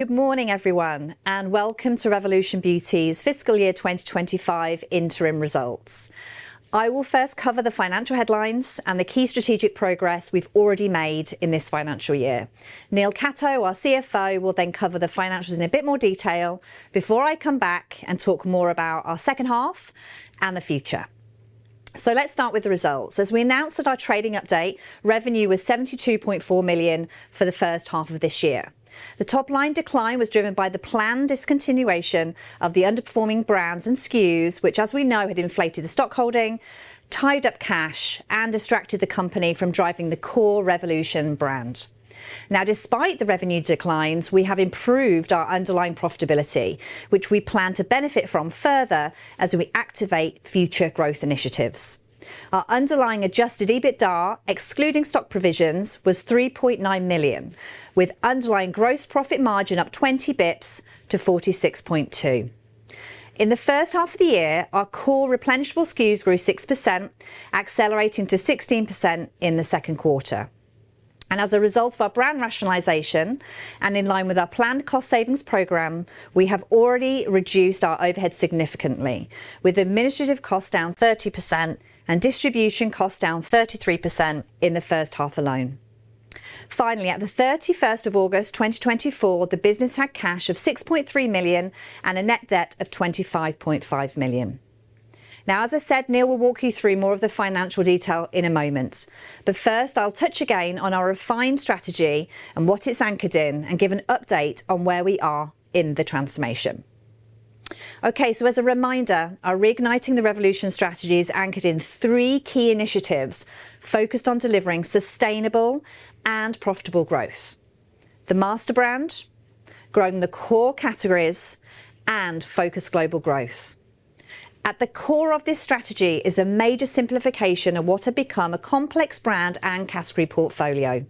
Good morning, everyone, and welcome to Revolution Beauty's Fiscal Year 2025 Interim Results. I will first cover the financial headlines and the key strategic progress we've already made in this financial year. Neil Catto, our CFO, will then cover the financials in a bit more detail before I come back and talk more about our second half and the future. So let's start with the results. As we announced at our trading update, revenue was 72.4 million for the first half of this year. The top-line decline was driven by the planned discontinuation of the underperforming brands and SKUs, which, as we know, had inflated the stock holding, tied up cash, and distracted the company from driving the core Revolution brand. Now, despite the revenue declines, we have improved our underlying profitability, which we plan to benefit from further as we activate future growth initiatives. Our underlying adjusted EBITDA, excluding stock provisions, was 3.9 million, with underlying gross profit margin up 20 basis points to 46.2%. In the first half of the year, our core replenishable SKUs grew 6%, accelerating to 16% in the second quarter. As a result of our brand rationalization and in line with our planned cost savings program, we have already reduced our overhead significantly, with administrative costs down 30% and distribution costs down 33% in the first half alone. Finally, at the 31st of August 2024, the business had cash of 6.3 million and a net debt of 25.5 million. Now, as I said, Neil will walk you through more of the financial detail in a moment, but first, I'll touch again on our refined strategy and what it's anchored in and give an update on where we are in the transformation. Okay, so as a reminder, our Reigniting the Revolution strategy is anchored in three key initiatives focused on delivering sustainable and profitable growth: the master brand, growing the core categories, and focus global growth. At the core of this strategy is a major simplification of what had become a complex brand and category portfolio.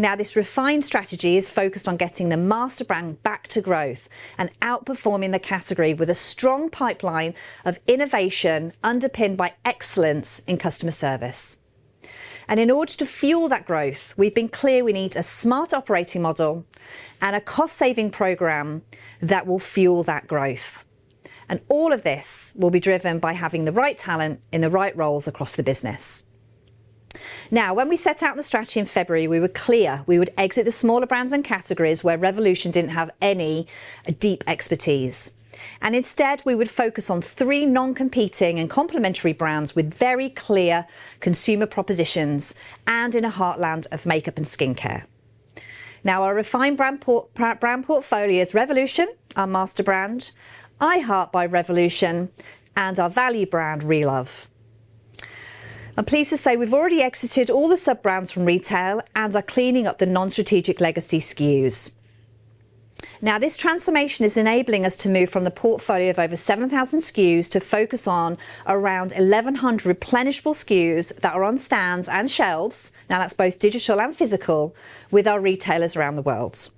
Now, this refined strategy is focused on getting the master brand back to growth and outperforming the category with a strong pipeline of innovation underpinned by excellence in customer service. And in order to fuel that growth, we've been clear we need a smart operating model and a cost-saving program that will fuel that growth. And all of this will be driven by having the right talent in the right roles across the business. Now, when we set out the strategy in February, we were clear we would exit the smaller brands and categories where Revolution didn't have any deep expertise. And instead, we would focus on three non-competing and complementary brands with very clear consumer propositions and in a heartland of makeup and skincare. Now, our refined brand portfolio is Revolution, our master brand, I Heart Revolution, and our value brand, Relove. I'm pleased to say we've already exited all the sub-brands from retail and are cleaning up the non-strategic legacy SKUs. Now, this transformation is enabling us to move from the portfolio of over 7,000 SKUs to focus on around 1,100 replenishable SKUs that are on stands and shelves, now that's both digital and physical, with our retailers around the world.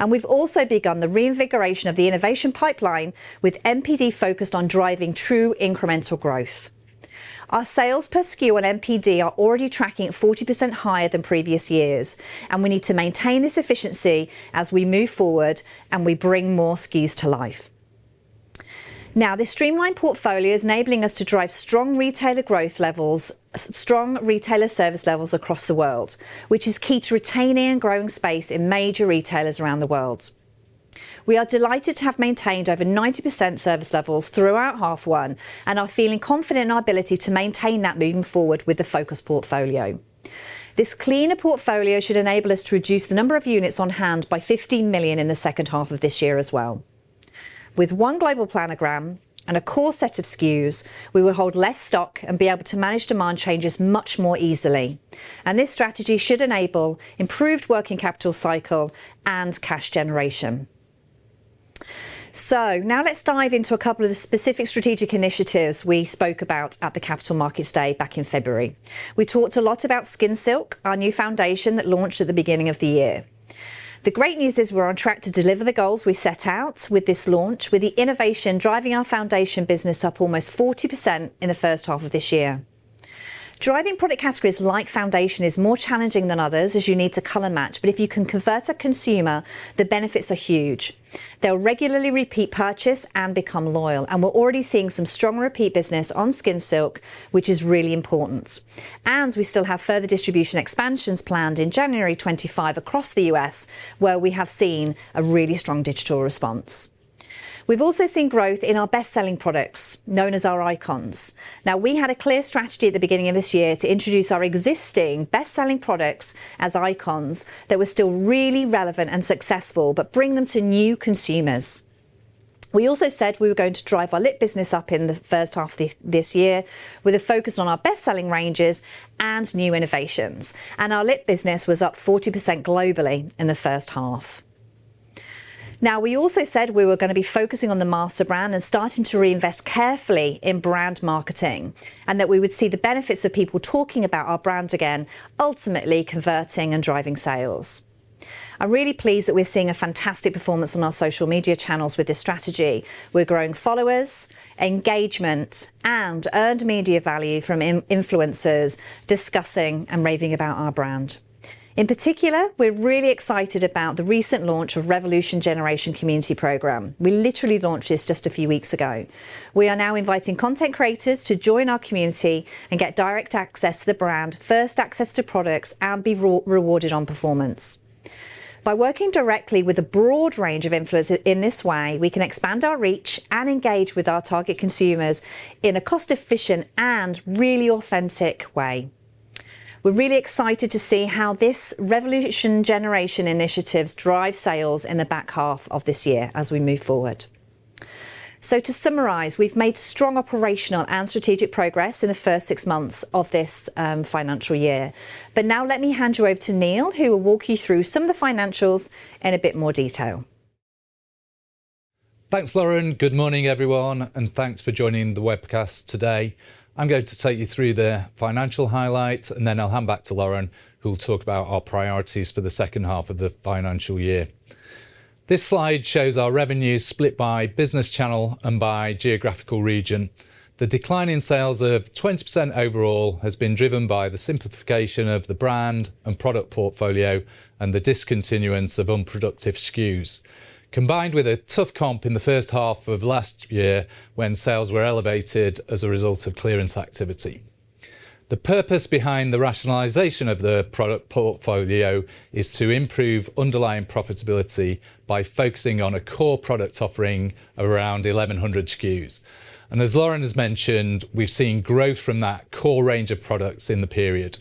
And we've also begun the reinvigoration of the innovation pipeline with NPD focused on driving true incremental growth. Our sales per SKU on NPD are already tracking at 40% higher than previous years, and we need to maintain this efficiency as we move forward and we bring more SKUs to life. Now, this streamlined portfolio is enabling us to drive strong retailer growth levels, strong retailer service levels across the world, which is key to retaining and growing space in major retailers around the world. We are delighted to have maintained over 90% service levels throughout half one and are feeling confident in our ability to maintain that moving forward with the focus portfolio. This cleaner portfolio should enable us to reduce the number of units on hand by 15 million in the second half of this year as well. With one global planogram and a core set of SKUs, we will hold less stock and be able to manage demand changes much more easily. This strategy should enable improved working capital cycle and cash generation. So now let's dive into a couple of the specific strategic initiatives we spoke about at the Capital Markets Day back in February. We talked a lot about Skin Silk, our new foundation that launched at the beginning of the year. The great news is we're on track to deliver the goals we set out with this launch, with the innovation driving our foundation business up almost 40% in the first half of this year. Driving product categories like foundation is more challenging than others, as you need to color match, but if you can convert a consumer, the benefits are huge. They'll regularly repeat purchase and become loyal, and we're already seeing some strong repeat business on Skin Silk, which is really important. And we still have further distribution expansions planned in January 2025 across the U.S., where we have seen a really strong digital response. We've also seen growth in our best-selling products, known as our Icons. Now, we had a clear strategy at the beginning of this year to introduce our existing best-selling products as Icons that were still really relevant and successful, but bring them to new consumers. We also said we were going to drive our lip business up in the first half of this year with a focus on our best-selling ranges and new innovations. And our lip business was up 40% globally in the first half. Now, we also said we were going to be focusing on the master brand and starting to reinvest carefully in brand marketing and that we would see the benefits of people talking about our brand again, ultimately converting and driving sales. I'm really pleased that we're seeing a fantastic performance on our social media channels with this strategy. We're growing followers, engagement, and earned media value from influencers discussing and raving about our brand. In particular, we're really excited about the recent launch of Revolution Generation Community Program. We literally launched this just a few weeks ago. We are now inviting content creators to join our community and get direct access to the brand, first access to products, and be rewarded on performance. By working directly with a broad range of influencers in this way, we can expand our reach and engage with our target consumers in a cost-efficient and really authentic way. We're really excited to see how this Revolution Generation initiatives drive sales in the back half of this year as we move forward. So to summarize, we've made strong operational and strategic progress in the first six months of this financial year. But now let me hand you over to Neil, who will walk you through some of the financials in a bit more detail. Thanks, Lauren. Good morning, everyone, and thanks for joining the webcast today. I'm going to take you through the financial highlights, and then I'll hand back to Lauren, who will talk about our priorities for the second half of the financial year. This slide shows our revenues split by business channel and by geographical region. The decline in sales of 20% overall has been driven by the simplification of the brand and product portfolio and the discontinuance of unproductive SKUs, combined with a tough comp in the first half of last year when sales were elevated as a result of clearance activity. The purpose behind the rationalization of the product portfolio is to improve underlying profitability by focusing on a core product offering around 1,100 SKUs. And as Lauren has mentioned, we've seen growth from that core range of products in the period.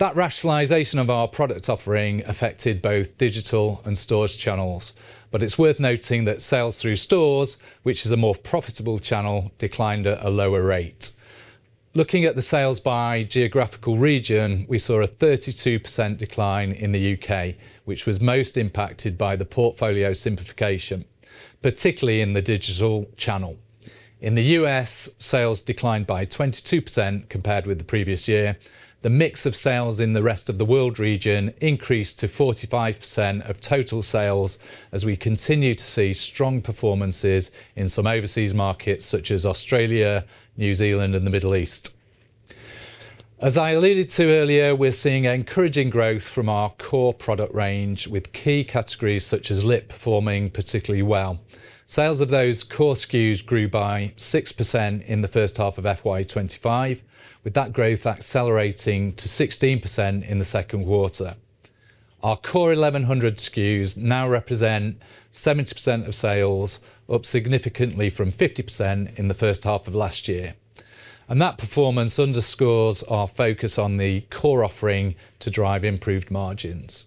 That rationalisation of our product offering affected both digital and store channels, but it's worth noting that sales through stores, which is a more profitable channel, declined at a lower rate. Looking at the sales by geographical region, we saw a 32% decline in the U.K., which was most impacted by the portfolio simplification, particularly in the digital channel. In the U.S., sales declined by 22% compared with the previous year. The mix of sales in the rest of the world region increased to 45% of total sales as we continue to see strong performances in some overseas markets such as Australia, New Zealand, and the Middle East. As I alluded to earlier, we're seeing encouraging growth from our core product range with key categories such as lip performing particularly well. Sales of those core SKUs grew by 6% in the first half of FY25, with that growth accelerating to 16% in the second quarter. Our core 1,100 SKUs now represent 70% of sales, up significantly from 50% in the first half of last year. And that performance underscores our focus on the core offering to drive improved margins.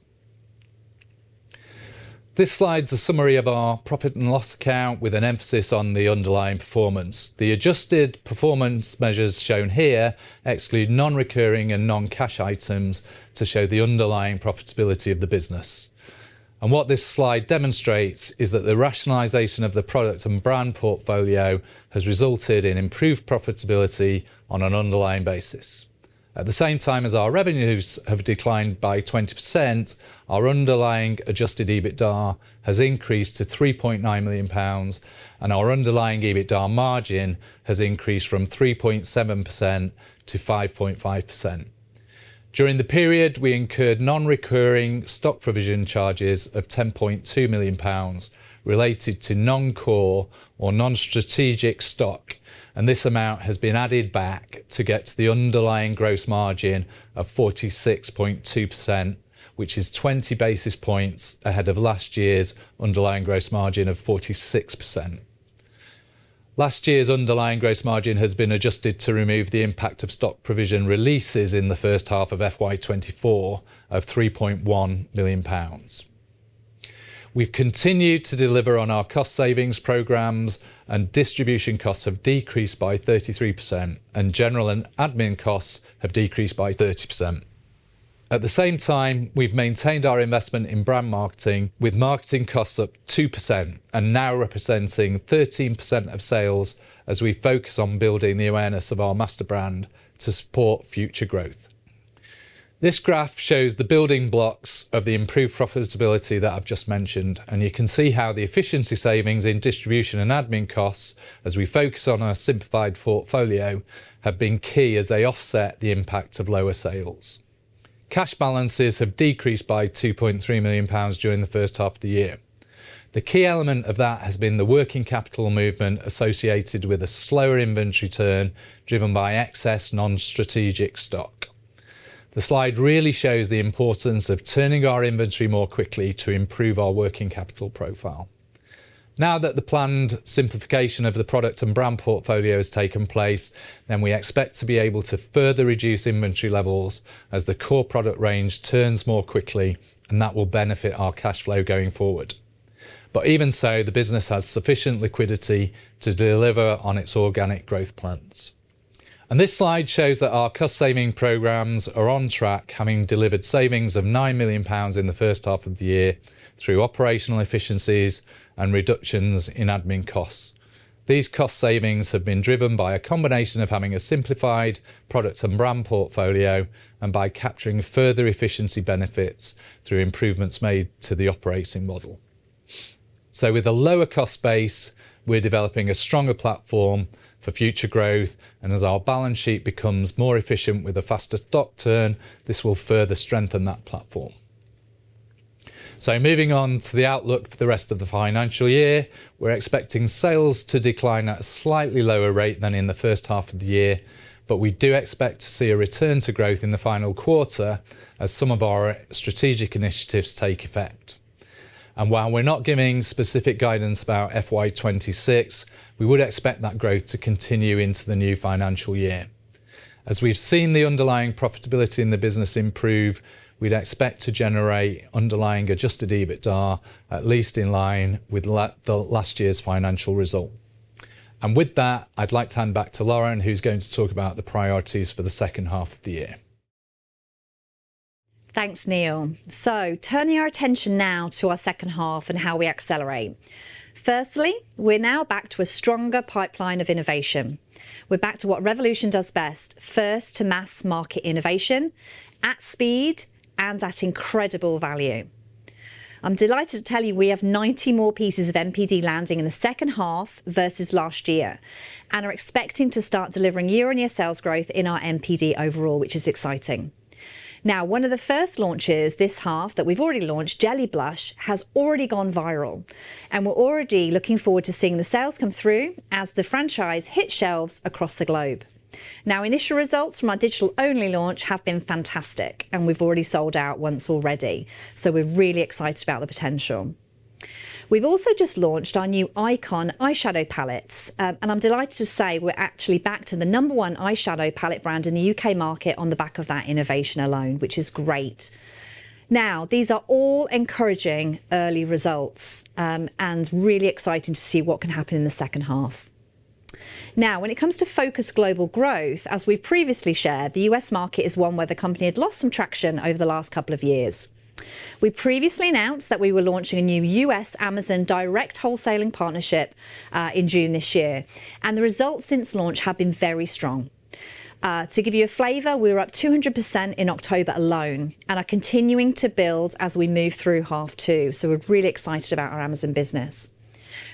This slide is a summary of our profit and loss account with an emphasis on the underlying performance. The adjusted performance measures shown here exclude non-recurring and non-cash items to show the underlying profitability of the business. And what this slide demonstrates is that the rationalization of the product and brand portfolio has resulted in improved profitability on an underlying basis. At the same time as our revenues have declined by 20%, our underlying adjusted EBITDA has increased to 3.9 million pounds, and our underlying EBITDA margin has increased from 3.7% to 5.5%. During the period, we incurred non-recurring stock provision charges of 10.2 million pounds related to non-core or non-strategic stock, and this amount has been added back to get to the underlying gross margin of 46.2%, which is 20 basis points ahead of last year's underlying gross margin of 46%. Last year's underlying gross margin has been adjusted to remove the impact of stock provision releases in the first half of FY24 of 3.1 million pounds. We've continued to deliver on our cost savings programs, and distribution costs have decreased by 33%, and general and admin costs have decreased by 30%. At the same time, we've maintained our investment in brand marketing with marketing costs up 2% and now representing 13% of sales as we focus on building the awareness of our master brand to support future growth. This graph shows the building blocks of the improved profitability that I've just mentioned, and you can see how the efficiency savings in distribution and admin costs as we focus on our simplified portfolio have been key as they offset the impact of lower sales. Cash balances have decreased by 2.3 million pounds during the first half of the year. The key element of that has been the working capital movement associated with a slower inventory turn driven by excess non-strategic stock. The slide really shows the importance of turning our inventory more quickly to improve our working capital profile. Now that the planned simplification of the product and brand portfolio has taken place, then we expect to be able to further reduce inventory levels as the core product range turns more quickly, and that will benefit our cash flow going forward. But even so, the business has sufficient liquidity to deliver on its organic growth plans. And this slide shows that our cost saving programs are on track, having delivered savings of nine million pounds in the first half of the year through operational efficiencies and reductions in admin costs. These cost savings have been driven by a combination of having a simplified product and brand portfolio and by capturing further efficiency benefits through improvements made to the operating model. So with a lower cost base, we're developing a stronger platform for future growth, and as our balance sheet becomes more efficient with a faster stock turn, this will further strengthen that platform. Moving on to the outlook for the rest of the financial year, we're expecting sales to decline at a slightly lower rate than in the first half of the year, but we do expect to see a return to growth in the final quarter as some of our strategic initiatives take effect. While we're not giving specific guidance about FY26, we would expect that growth to continue into the new financial year. As we've seen the underlying profitability in the business improve, we'd expect to generate underlying adjusted EBITDA at least in line with last year's financial result. With that, I'd like to hand back to Lauren, who's going to talk about the priorities for the second half of the year. Thanks, Neil. So turning our attention now to our second half and how we accelerate. Firstly, we're now back to a stronger pipeline of innovation. We're back to what Revolution does best, first to mass market innovation at speed and at incredible value. I'm delighted to tell you we have 90 more pieces of NPD landing in the second half versus last year and are expecting to start delivering year-on-year sales growth in our NPD overall, which is exciting. Now, one of the first launches this half that we've already launched, Jelly Blush, has already gone viral, and we're already looking forward to seeing the sales come through as the franchise hits shelves across the globe. Now, initial results from our digital-only launch have been fantastic, and we've already sold out once already, so we're really excited about the potential. We've also just launched our new Icon eyeshadow palettes, and I'm delighted to say we're actually back to the number one eyeshadow palette brand in the U.K. market on the back of that innovation alone, which is great. Now, these are all encouraging early results and really exciting to see what can happen in the second half. Now, when it comes to focus global growth, as we've previously shared, the U.S. market is one where the company had lost some traction over the last couple of years. We previously announced that we were launching a new U.S. Amazon direct wholesaling partnership in June this year, and the results since launch have been very strong. To give you a flavour, we were up 200% in October alone and are continuing to build as we move through half two, so we're really excited about our Amazon business.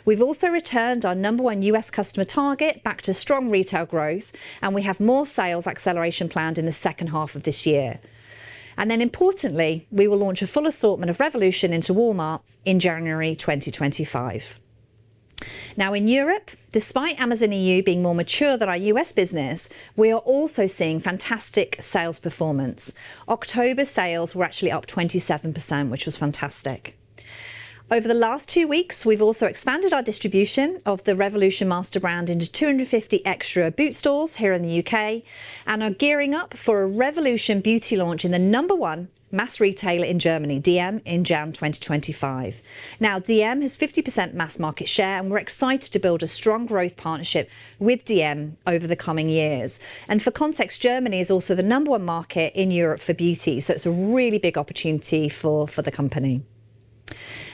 We've also returned our number one U.S. customer target back to strong retail growth, and we have more sales acceleration planned in the second half of this year. And then importantly, we will launch a full assortment of Revolution into Walmart in January 2025. Now, in Europe, despite Amazon EU being more mature than our U.S. business, we are also seeing fantastic sales performance. October sales were actually up 27%, which was fantastic. Over the last two weeks, we've also expanded our distribution of the Revolution master brand into 250 extra Boots stores here in the U.K. and are gearing up for a Revolution Beauty launch in the number one mass retailer in Germany, DM, in January 2025. Now, DM has 50% mass market share, and we're excited to build a strong growth partnership with DM over the coming years. For context, Germany is also the number one market in Europe for beauty, so it's a really big opportunity for the company.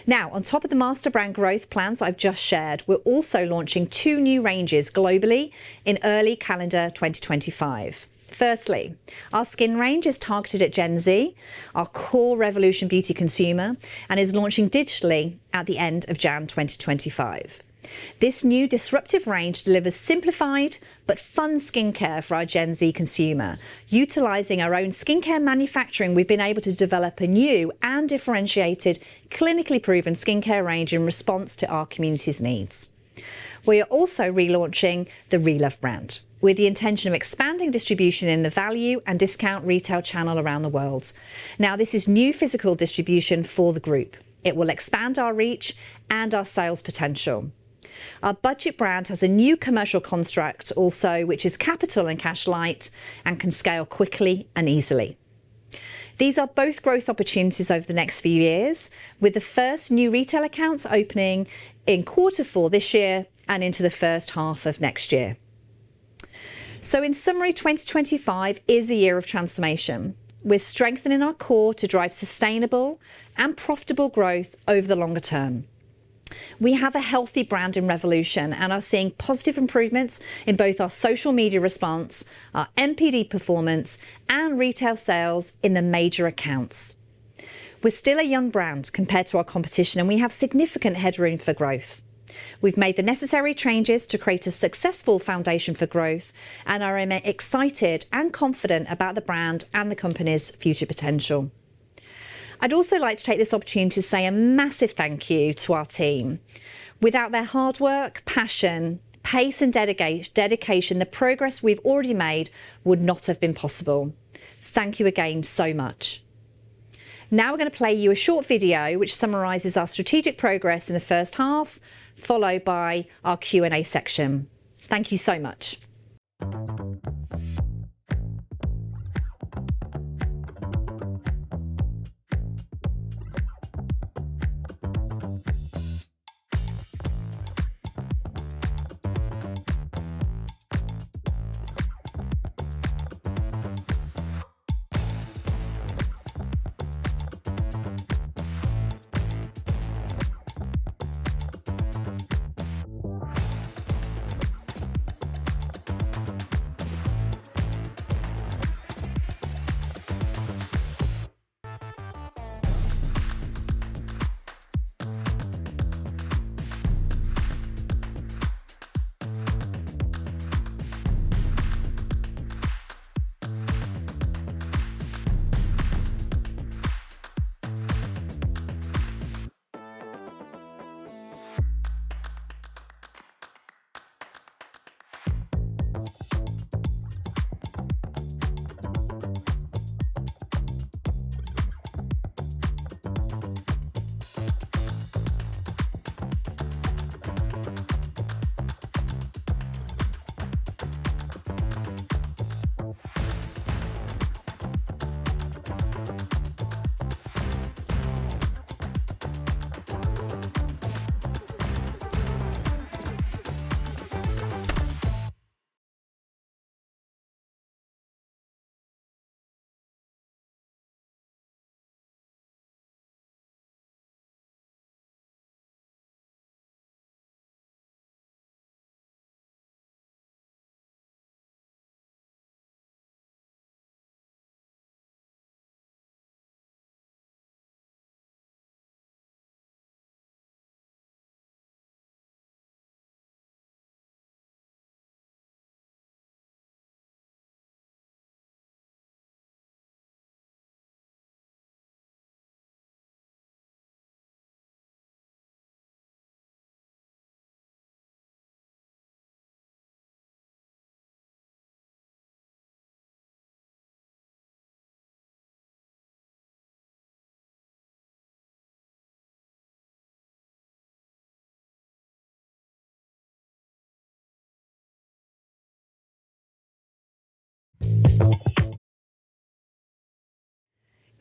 Now, on top of the master brand growth plans I've just shared, we're also launching two new ranges globally in early calendar 2025. Firstly, our skin range is targeted at Gen Z, our core Revolution Beauty consumer, and is launching digitally at the end of January 2025. This new disruptive range delivers simplified but fun skincare for our Gen Z consumer. Utilizing our own skincare manufacturing, we've been able to develop a new and differentiated clinically proven skincare range in response to our community's needs. We are also relaunching the Relove brand with the intention of expanding distribution in the value and discount retail channel around the world. Now, this is new physical distribution for the group. It will expand our reach and our sales potential. Our budget brand has a new commercial construct also, which is capital and cash light and can scale quickly and easily. These are both growth opportunities over the next few years, with the first new retail accounts opening in quarter four this year and into the first half of next year. So in summary, 2025 is a year of transformation. We're strengthening our core to drive sustainable and profitable growth over the longer term. We have a healthy brand in Revolution and are seeing positive improvements in both our social media response, our NPD performance, and retail sales in the major accounts. We're still a young brand compared to our competition, and we have significant headroom for growth. We've made the necessary changes to create a successful foundation for growth, and I'm excited and confident about the brand and the company's future potential. I'd also like to take this opportunity to say a massive thank you to our team. Without their hard work, passion, pace, and dedication, the progress we've already made would not have been possible. Thank you again so much. Now we're going to play you a short video which summarizes our strategic progress in the first half, followed by our Q&A section. Thank you so much.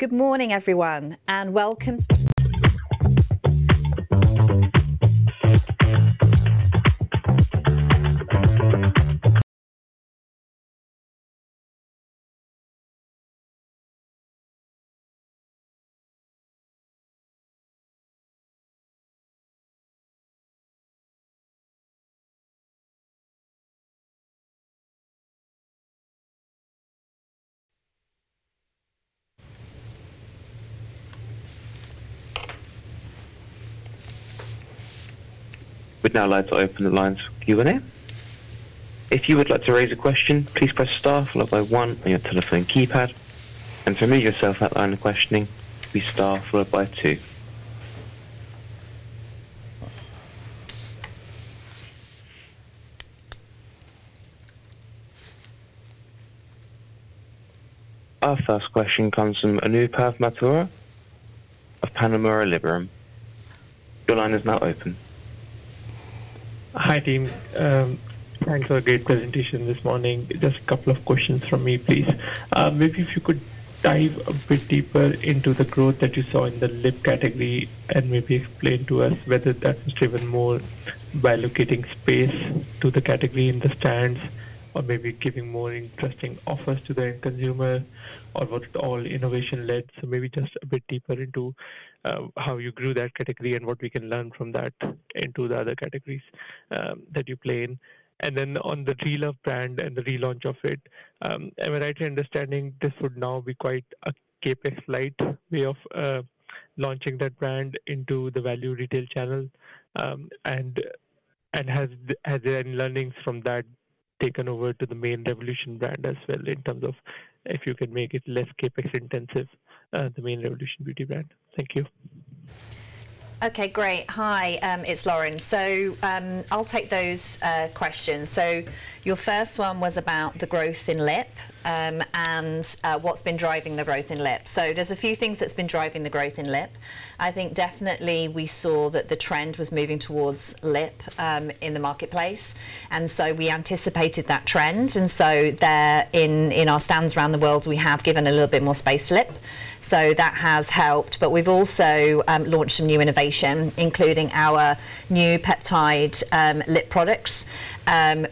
Good morning, everyone, and welcome to. We'd now like to open the lines for Q&A. If you would like to raise a question, please press star followed by one on your telephone keypad and to remove yourself from the queue, please star followed by two. Our first question comes from Anubhav Mathur of Panmure Liberum. Your line is now open. Hi team. Thanks for a great presentation this morning. Just a couple of questions from me, please. Maybe if you could dive a bit deeper into the growth that you saw in the lip category and maybe explain to us whether that was driven more by locating space to the category in the stands or maybe giving more interesting offers to the end consumer or was it all innovation led? So maybe just a bit deeper into how you grew that category and what we can learn from that into the other categories that you play in. And then on the Relove brand and the relaunch of it, am I right in understanding this would now be quite a CapEx light way of launching that brand into the value retail channel and has any learnings from that taken over to the main Revolution brand as well in terms of if you can make it less CapEx intensive, the main Revolution Beauty brand? Thank you. Okay, great. Hi, it's Lauren. So I'll take those questions. So your first one was about the growth in lip and what's been driving the growth in lip. So there's a few things that's been driving the growth in lip. I think definitely we saw that the trend was moving towards lip in the marketplace, and so we anticipated that trend. And so there in our stands around the world, we have given a little bit more space to lip. So that has helped, but we've also launched some new innovation, including our new Peptide Lip products,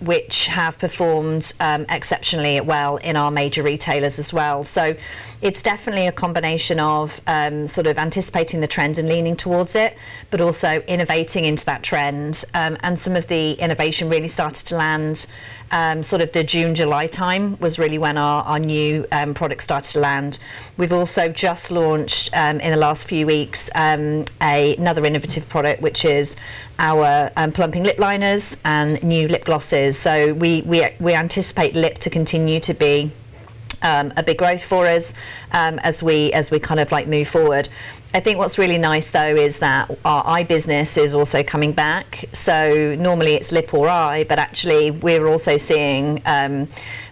which have performed exceptionally well in our major retailers as well. So it's definitely a combination of sort of anticipating the trend and leaning towards it, but also innovating into that trend. And some of the innovation really started to land, sort of the June-July time, was really when our new product started to land. We've also just launched in the last few weeks another innovative product, which is our Plumping Lip Liners and new Lip Glosses. So we anticipate lip to continue to be a big growth for us as we kind of move forward. I think what's really nice though is that our eye business is also coming back. So normally it's lip or eye, but actually we're also seeing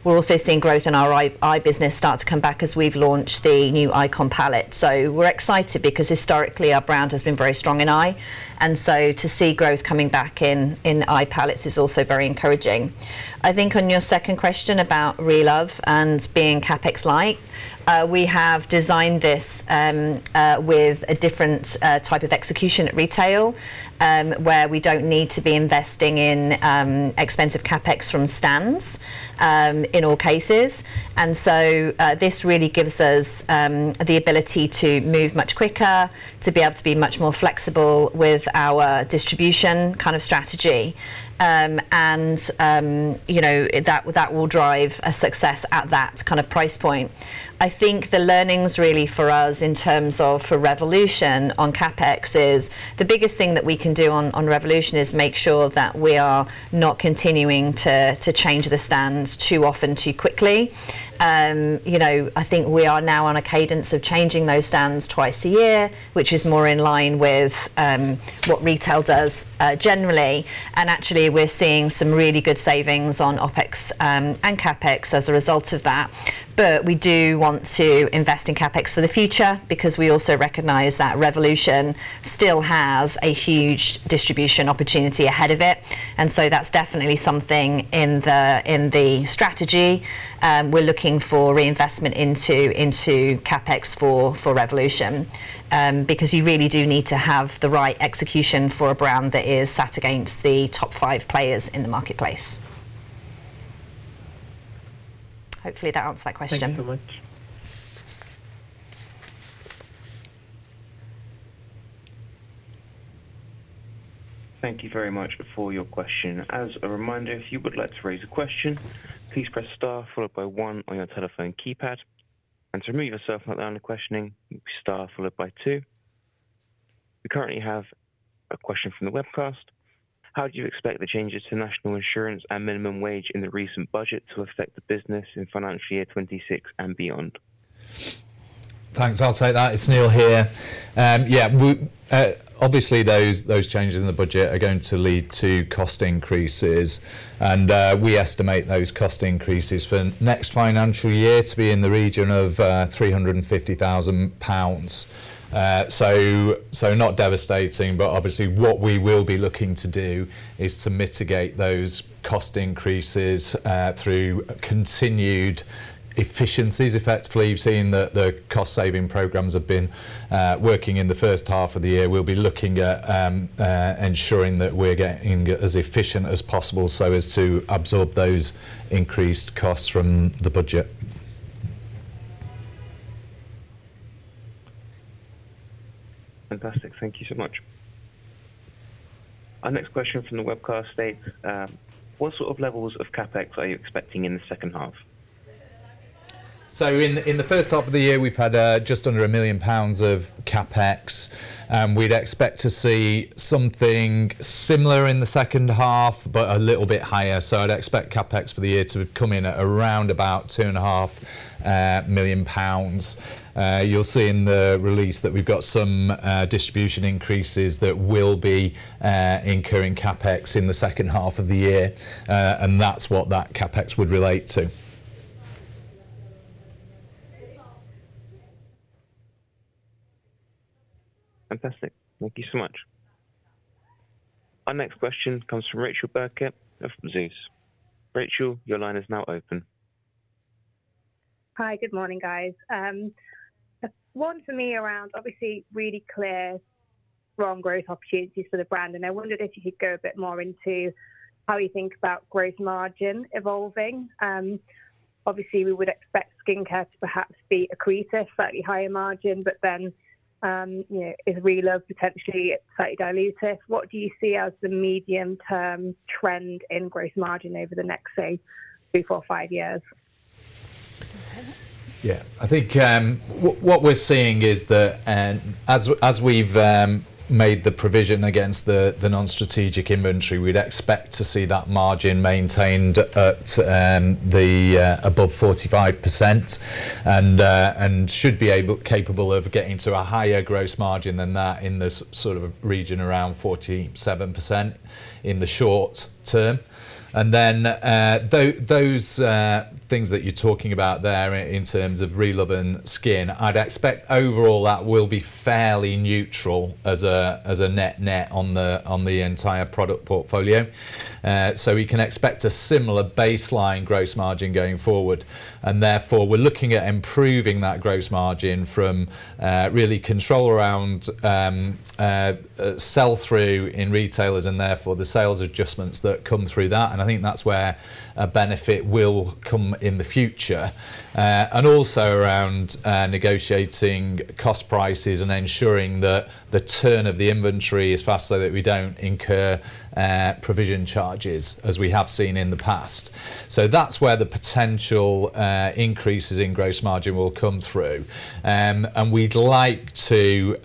growth in our eye business start to come back as we've launched the new Icon palette. So we're excited because historically our brand has been very strong in eye, and so to see growth coming back in eye palettes is also very encouraging. I think on your second question about Relove and being CapEx light, we have designed this with a different type of execution at retail where we don't need to be investing in expensive CapEx from stands in all cases, and so this really gives us the ability to move much quicker, to be able to be much more flexible with our distribution kind of strategy, and that will drive a success at that kind of price point. I think the learnings really for us in terms of for Revolution on CapEx is the biggest thing that we can do on Revolution is make sure that we are not continuing to change the stands too often too quickly. I think we are now on a cadence of changing those stands twice a year, which is more in line with what retail does generally. Actually we're seeing some really good savings on OpEx and CapEx as a result of that. But we do want to invest in CapEx for the future because we also recognize that Revolution still has a huge distribution opportunity ahead of it. So that's definitely something in the strategy we're looking for reinvestment into CapEx for Revolution because you really do need to have the right execution for a brand that is sat against the top five players in the marketplace. Hopefully that answered that question. Thank you so much. Thank you very much for your question. As a reminder, if you would like to raise a question, please press star followed by one on your telephone keypad and to remove yourself from the question queue, star followed by two. We currently have a question from the webcast. How do you expect the changes to national insurance and minimum wage in the recent budget to affect the business in financial year 26 and beyond? Thanks. I'll take that. It's Neil here. Yeah, obviously those changes in the budget are going to lead to cost increases, and we estimate those cost increases for next financial year to be in the region of 350,000 pounds. So not devastating, but obviously what we will be looking to do is to mitigate those cost increases through continued efficiencies. Effectively, you've seen that the cost saving programs have been working in the first half of the year. We'll be looking at ensuring that we're getting as efficient as possible so as to absorb those increased costs from the budget. Fantastic. Thank you so much. Our next question from the webcast states, What sort of levels of Capex are you expecting in the second half? So in the first half of the year, we've had just under 1 million pounds of CapEx. We'd expect to see something similar in the second half, but a little bit higher. So I'd expect CapEx for the year to come in at around about 2.5 million pounds. You'll see in the release that we've got some distribution increases that will be incurring CapEx in the second half of the year, and that's what that CapEx would relate to. Fantastic. Thank you so much. Our next question comes from Rachel Birkett of Zeus Capital. Rachel, your line is now open. Hi, good morning guys. One for me around obviously really clear strong growth opportunities for the brand, and I wondered if you could go a bit more into how you think about gross margin evolving. Obviously, we would expect skincare to perhaps be accretive, slightly higher margin, but then is Relove potentially slightly dilutive? What do you see as the medium-term trend in gross margin over the next three, four, five years? Yeah, I think what we're seeing is that as we've made the provision against the non-strategic inventory, we'd expect to see that margin maintained at above 45% and should be capable of getting to a higher gross margin than that in this sort of region around 47% in the short term. And then those things that you're talking about there in terms of Relove and skin, I'd expect overall that will be fairly neutral as a net net on the entire product portfolio. So we can expect a similar baseline gross margin going forward, and therefore we're looking at improving that gross margin from real control around sell-through in retailers and therefore the sales adjustments that come through that. And I think that's where a benefit will come in the future. And also around negotiating cost prices and ensuring that the turn of the inventory is fast so that we don't incur provision charges as we have seen in the past. So that's where the potential increases in gross margin will come through. And we'd like to,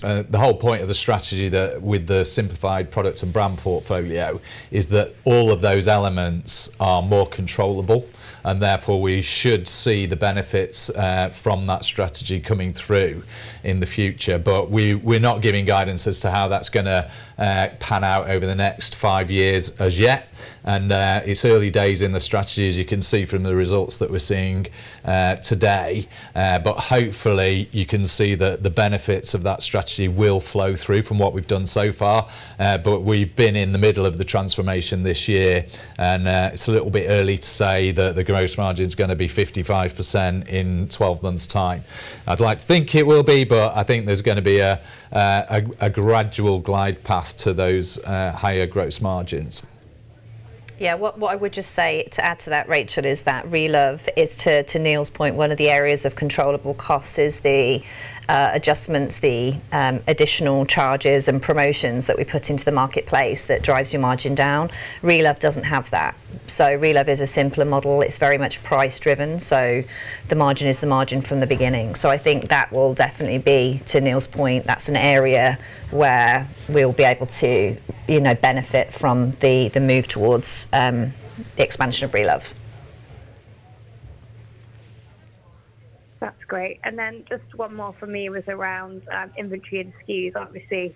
the whole point of the strategy with the simplified product and brand portfolio is that all of those elements are more controllable and therefore we should see the benefits from that strategy coming through in the future. But we're not giving guidance as to how that's going to pan out over the next five years as yet. And it's early days in the strategy, as you can see from the results that we're seeing today. But hopefully you can see that the benefits of that strategy will flow through from what we've done so far. But we've been in the middle of the transformation this year and it's a little bit early to say that the gross margin is going to be 55% in 12 months' time. I'd like to think it will be, but I think there's going to be a gradual glide path to those higher gross margins. Yeah, what I would just say to add to that, Rachel, is that Relove, to Neil's point, one of the areas of controllable costs is the adjustments, the additional charges and promotions that we put into the marketplace that drives your margin down. Relove doesn't have that. So Relove is a simpler model. It's very much price-driven. So the margin is the margin from the beginning. So I think that will definitely be, to Neil's point, that's an area where we'll be able to benefit from the move towards the expansion of Relove. That's great. And then just one more for me was around inventory and SKUs. Obviously,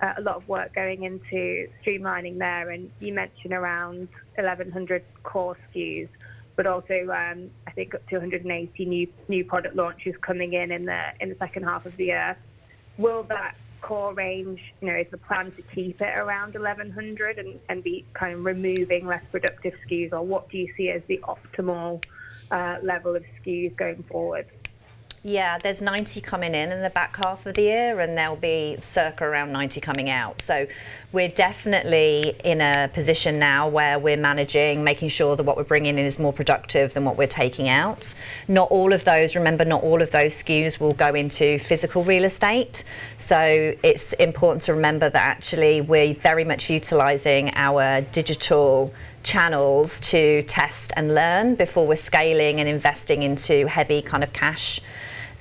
a lot of work going into streamlining there. And you mentioned around 1,100 core SKUs, but also I think 280 new product launches coming in in the second half of the year. Will that core range, is the plan to keep it around 1,100 and be kind of removing less productive SKUs, or what do you see as the optimal level of SKUs going forward? Yeah, there's 90 coming in in the back half of the year, and there'll be circa around 90 coming out. So we're definitely in a position now where we're managing, making sure that what we're bringing in is more productive than what we're taking out. Not all of those, remember, not all of those SKUs will go into physical real estate. So it's important to remember that actually we're very much utilizing our digital channels to test and learn before we're scaling and investing into heavy kind of cash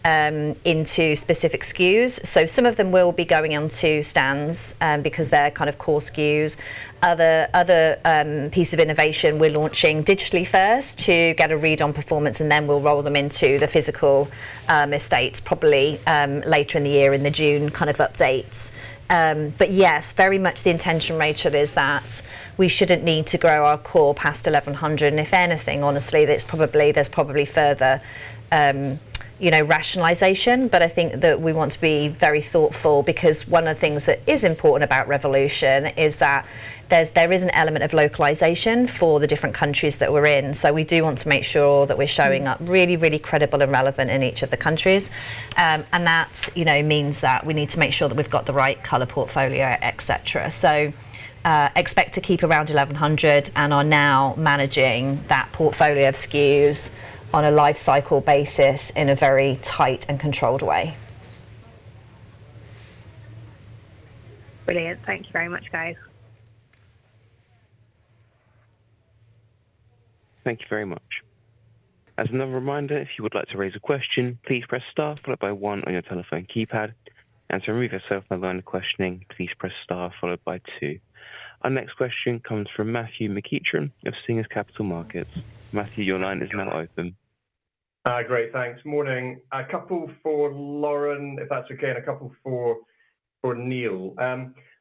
into specific SKUs. So some of them will be going onto stands because they're kind of core SKUs. Other piece of innovation, we're launching digitally first to get a read on performance, and then we'll roll them into the physical estates probably later in the year in the June kind of updates. But yes, very much the intention, Rachel, is that we shouldn't need to grow our core past 1,100. And if anything, honestly, there's probably further rationalization, but I think that we want to be very thoughtful because one of the things that is important about Revolution is that there is an element of localization for the different countries that we're in. So we do want to make sure that we're showing up really, really credible and relevant in each of the countries. And that means that we need to make sure that we've got the right color portfolio, etc. So expect to keep around 1,100 and are now managing that portfolio of SKUs on a life cycle basis in a very tight and controlled way. Brilliant. Thank you very much, guys. Thank you very much. As another reminder, if you would like to raise a question, please press star followed by one on your telephone keypad. And to remove yourself from the queue, please press star followed by two. Our next question comes from Matthew McEachran of Singer Capital Markets. Matthew, your line is now open. Great. Thanks. Morning. A couple for Lauren, if that's okay, and a couple for Neil.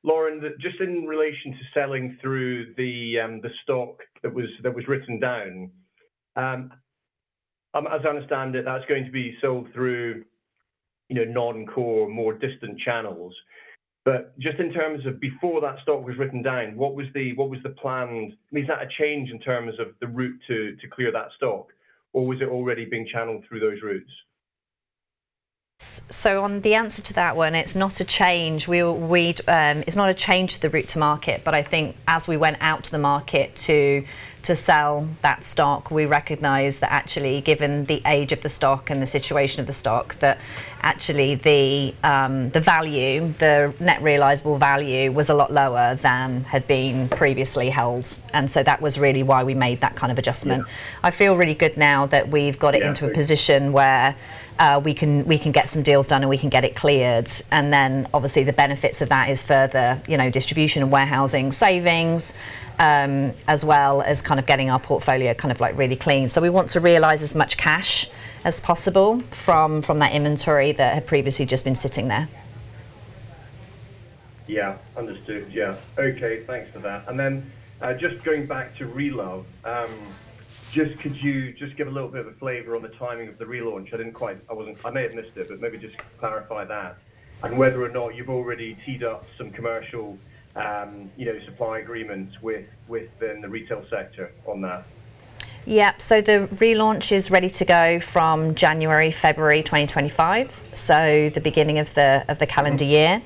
Lauren, just in relation to selling through the stock that was written down, as I understand it, that's going to be sold through non-core, more distant channels. But just in terms of before that stock was written down, what was the plan? Is that a change in terms of the route to clear that stock, or was it already being channeled through those routes? So on the answer to that one, it's not a change. It's not a change to the route to market, but I think as we went out to the market to sell that stock, we recognized that actually given the age of the stock and the situation of the stock, that actually the value, the net realizable value was a lot lower than had been previously held. And so that was really why we made that kind of adjustment. I feel really good now that we've got it into a position where we can get some deals done and we can get it cleared. And then obviously the benefits of that is further distribution and warehousing savings as well as kind of getting our portfolio kind of like really clean. So we want to realize as much cash as possible from that inventory that had previously just been sitting there. Yeah. Understood. Yeah. Okay. Thanks for that. And then just going back to Relove, just could you just give a little bit of a flavor on the timing of the relaunch? I didn't quite, I may have missed it, but maybe just clarify that and whether or not you've already teed up some commercial supply agreements within the retail sector on that. Yeah. So the relaunch is ready to go from January, February 2025, so the beginning of the calendar year.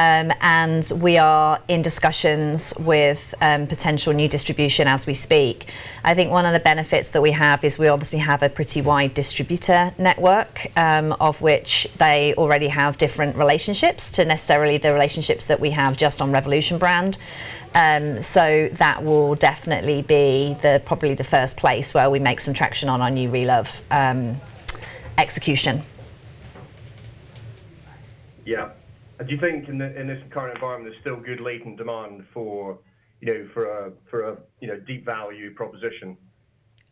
And we are in discussions with potential new distribution as we speak. I think one of the benefits that we have is we obviously have a pretty wide distributor network of which they already have different relationships not necessarily the relationships that we have just on Revolution brand. So that will definitely be probably the first place where we make some traction on our new Relove execution. Yeah. Do you think in this current environment there's still good latent demand for a deep value proposition?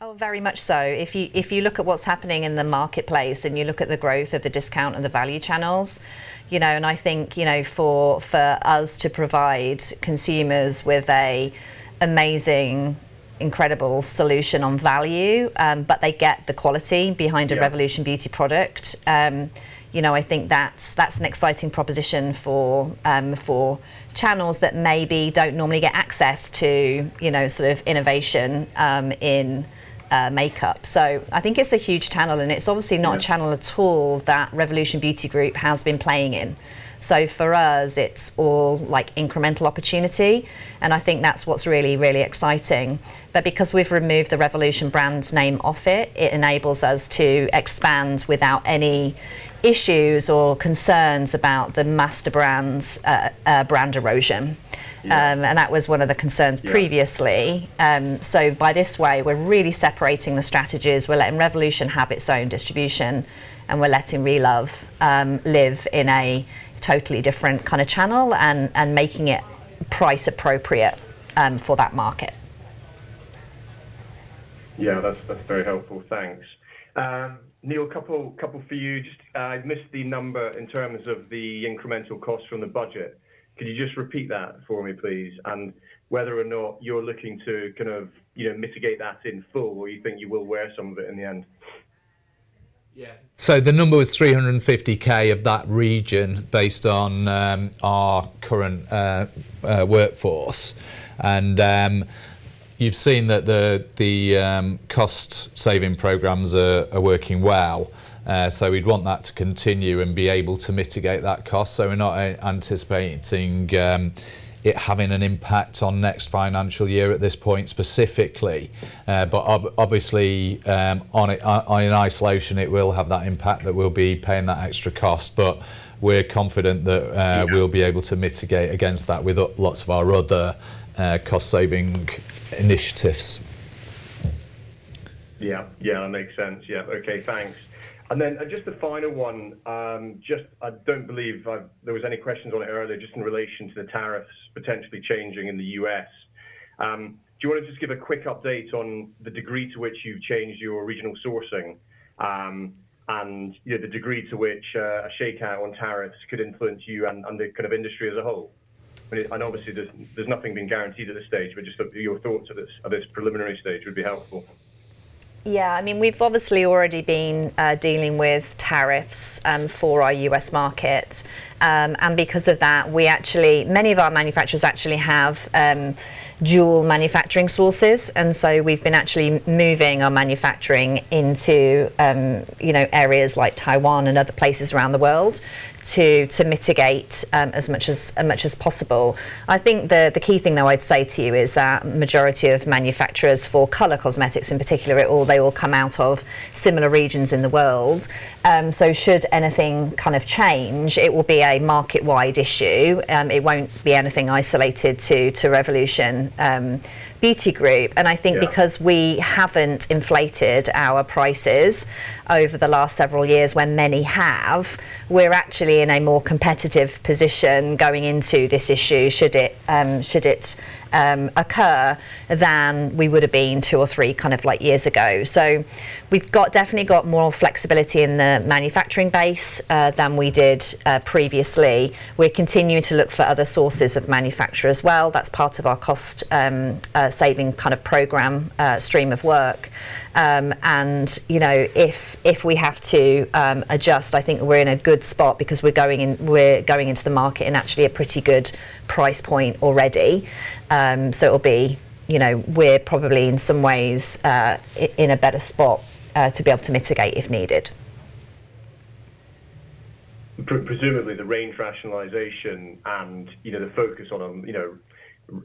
Oh, very much so. If you look at what's happening in the marketplace and you look at the growth of the discount and the value channels, and I think for us to provide consumers with an amazing, incredible solution on value, but they get the quality behind a Revolution Beauty product, I think that's an exciting proposition for channels that maybe don't normally get access to sort of innovation in makeup, so I think it's a huge channel, and it's obviously not a channel at all that Revolution Beauty Group has been playing in, so for us, it's all like incremental opportunity, and I think that's what's really, really exciting, but because we've removed the Revolution brand name off it, it enables us to expand without any issues or concerns about the master brand erosion, and that was one of the concerns previously. So by this way, we're really separating the strategies. We're letting Revolution have its own distribution, and we're letting Relove live in a totally different kind of channel and making it price appropriate for that market. Yeah, that's very helpful. Thanks. Neil, a couple for you. I missed the number in terms of the incremental cost from the budget. Could you just repeat that for me, please, and whether or not you're looking to kind of mitigate that in full or you think you will wear some of it in the end? Yeah. So the number was 350K of that region based on our current workforce. And you've seen that the cost saving programs are working well. So we'd want that to continue and be able to mitigate that cost. So we're not anticipating it having an impact on next financial year at this point specifically. But obviously, in isolation, it will have that impact that we'll be paying that extra cost. But we're confident that we'll be able to mitigate against that with lots of our other cost saving initiatives. Yeah. Yeah, that makes sense. Yeah. Okay. Thanks. And then just the final one, just I don't believe there were any questions on it earlier, just in relation to the tariffs potentially changing in the U.S. Do you want to just give a quick update on the degree to which you've changed your regional sourcing and the degree to which a shakeout on tariffs could influence you and the kind of industry as a whole? And obviously, there's nothing being guaranteed at this stage, but just your thoughts at this preliminary stage would be helpful. Yeah. I mean, we've obviously already been dealing with tariffs for our U.S. market. And because of that, many of our manufacturers actually have dual manufacturing sources. And so we've been actually moving our manufacturing into areas like Taiwan and other places around the world to mitigate as much as possible. I think the key thing that I'd say to you is that the majority of manufacturers for color cosmetics in particular, they all come out of similar regions in the world. So should anything kind of change, it will be a market-wide issue. It won't be anything isolated to Revolution Beauty Group. And I think because we haven't inflated our prices over the last several years, where many have, we're actually in a more competitive position going into this issue, should it occur, than we would have been two or three kind of like years ago. So we've definitely got more flexibility in the manufacturing base than we did previously. We're continuing to look for other sources of manufacture as well. That's part of our cost saving kind of program stream of work. And if we have to adjust, I think we're in a good spot because we're going into the market in actually a pretty good price point already. So it'll be, we're probably in some ways in a better spot to be able to mitigate if needed. Presumably, the range rationalization and the focus on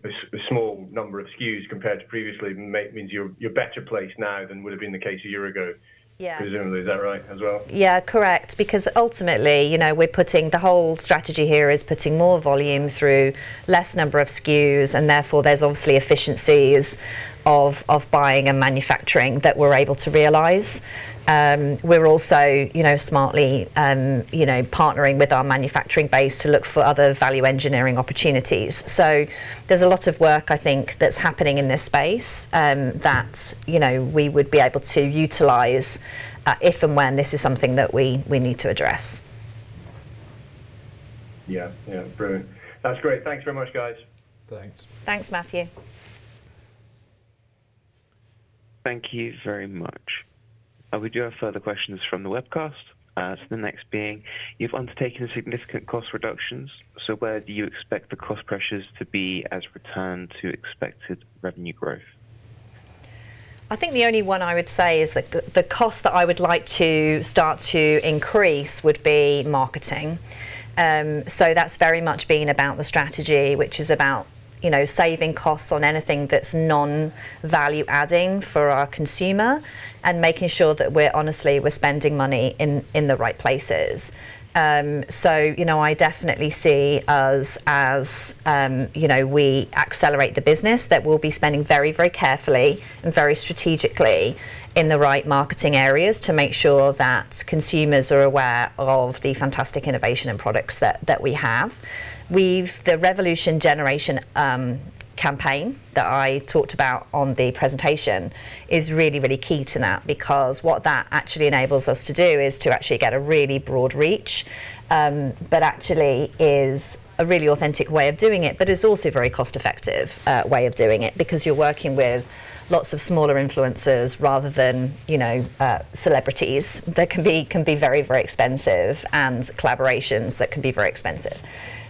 a small number of SKUs compared to previously means you're better placed now than would have been the case a year ago, presumably. Is that right as well? Yeah, correct. Because ultimately, we're putting the whole strategy here is putting more volume through less number of SKUs, and therefore there's obviously efficiencies of buying and manufacturing that we're able to realize. We're also smartly partnering with our manufacturing base to look for other value engineering opportunities. So there's a lot of work, I think, that's happening in this space that we would be able to utilize if and when this is something that we need to address. Yeah. Yeah. Brilliant. That's great. Thanks very much, guys. Thanks. Thanks, Matthew. Thank you very much. We do have further questions from the webcast. So the next being, you've undertaken significant cost reductions, so where do you expect the cost pressures to be as return to expected revenue growth? I think the only one I would say is that the cost that I would like to start to increase would be marketing. So that's very much been about the strategy, which is about saving costs on anything that's non-value adding for our consumer and making sure that we're honestly spending money in the right places. So I definitely see us as we accelerate the business that we'll be spending very, very carefully and very strategically in the right marketing areas to make sure that consumers are aware of the fantastic innovation and products that we have. The Revolution Generation campaign that I talked about on the presentation is really, really key to that because what that actually enables us to do is to actually get a really broad reach, but actually it is a really authentic way of doing it, but it is also a very, very cost-effective way of doing it because you are working with lots of smaller influencers rather than celebrities that can be very, very expensive and collaborations that can be very expensive.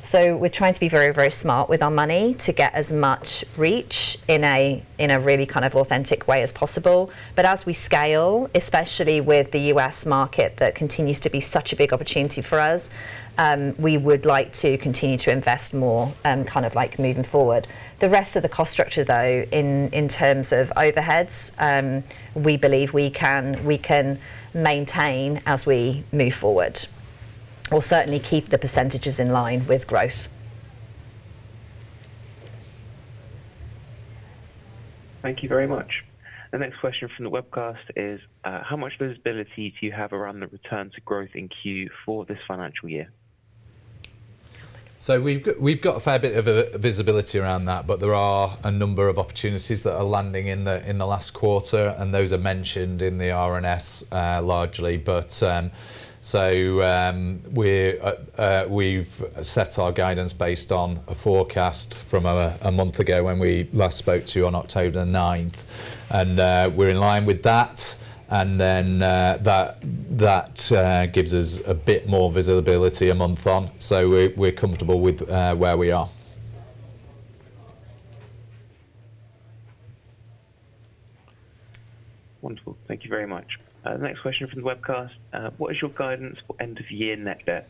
So we are trying to be very, very smart with our money to get as much reach in a really kind of authentic way as possible. But as we scale, especially with the U.S. market that continues to be such a big opportunity for us, we would like to continue to invest more kind of like moving forward. The rest of the cost structure, though, in terms of overheads, we believe we can maintain as we move forward. We'll certainly keep the percentages in line with growth. Thank you very much. The next question from the webcast is, how much visibility do you have around the return to growth in Q for this financial year? So we've got a fair bit of visibility around that, but there are a number of opportunities that are landing in the last quarter, and those are mentioned in the RNS largely. So we've set our guidance based on a forecast from a month ago when we last spoke to you on October 9th. And we're in line with that, and then that gives us a bit more visibility a month on. So we're comfortable with where we are. Wonderful. Thank you very much. The next question from the webcast, what is your guidance for end-of-year net debt?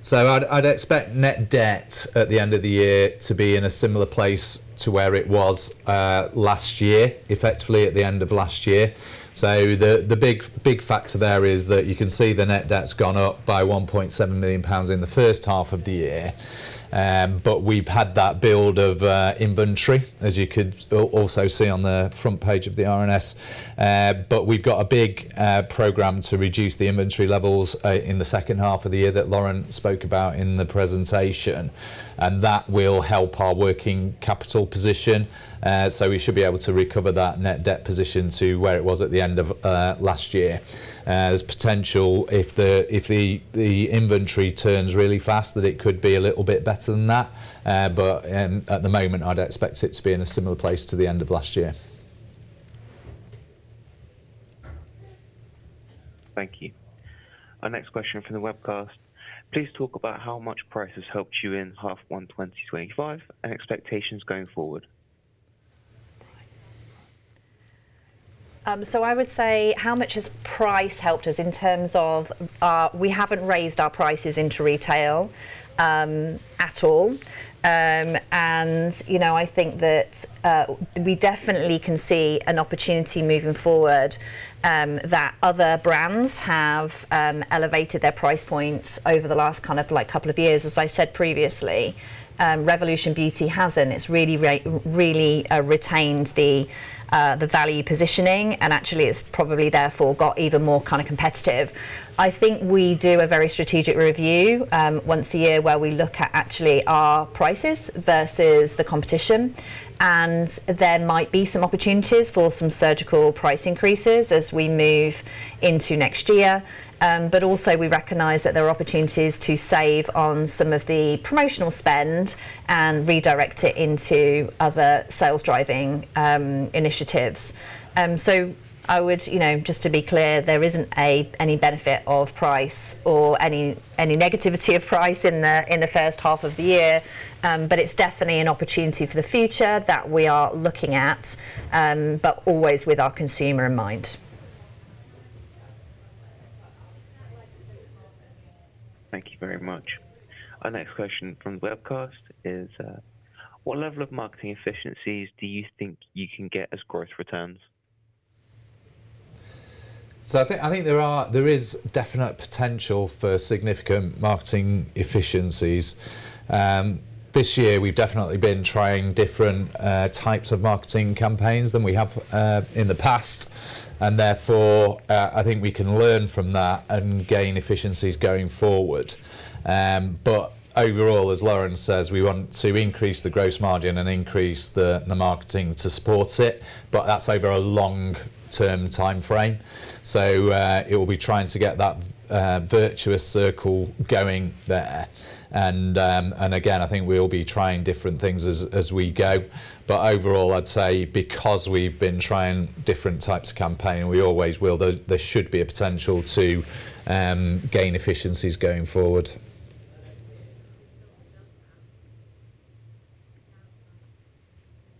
So I'd expect net debt at the end of the year to be in a similar place to where it was last year, effectively at the end of last year. So the big factor there is that you can see the net debt's gone up by 1.7 million pounds in the first half of the year. But we've had that build of inventory, as you could also see on the front page of the RNS. But we've got a big program to reduce the inventory levels in the second half of the year that Lauren spoke about in the presentation. And that will help our working capital position. So we should be able to recover that net debt position to where it was at the end of last year. There's potential if the inventory turns really fast that it could be a little bit better than that. But at the moment, I'd expect it to be in a similar place to the end of last year. Thank you. Our next question from the webcast, please talk about how much price has helped you in half 1/2025 and expectations going forward. I would say how much has price helped us in terms of we haven't raised our prices into retail at all. I think that we definitely can see an opportunity moving forward that other brands have elevated their price points over the last kind of like couple of years. As I said previously, Revolution Beauty hasn't. It's really retained the value positioning, and actually it's probably therefore got even more kind of competitive. I think we do a very strategic review once a year where we look at actually our prices versus the competition. There might be some opportunities for some surgical price increases as we move into next year. We also recognize that there are opportunities to save on some of the promotional spend and redirect it into other sales driving initiatives. So I would just to be clear, there isn't any benefit of price or any negativity of price in the first half of the year. But it's definitely an opportunity for the future that we are looking at, but always with our consumer in mind. Thank you very much. Our next question from the webcast is, what level of marketing efficiencies do you think you can get as growth returns? So I think there is definite potential for significant marketing efficiencies. This year, we've definitely been trying different types of marketing campaigns than we have in the past. And therefore, I think we can learn from that and gain efficiencies going forward. But overall, as Lauren says, we want to increase the gross margin and increase the marketing to support it. But that's over a long-term time frame. So it will be trying to get that virtuous circle going there. And again, I think we'll be trying different things as we go. But overall, I'd say because we've been trying different types of campaign, we always will, there should be a potential to gain efficiencies going forward.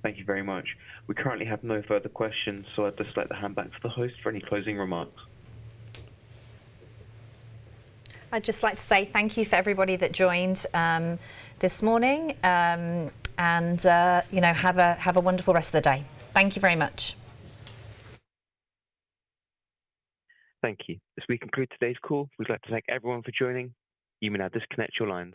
Thank you very much. We currently have no further questions, so I'd just like to hand back to the host for any closing remarks. I'd just like to say thank you for everybody that joined this morning and have a wonderful rest of the day. Thank you very much. Thank you. As we conclude today's call, we'd like to thank everyone for joining. You may now disconnect your lines.